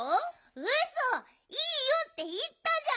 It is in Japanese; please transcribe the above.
うそ「いいよ」っていったじゃん！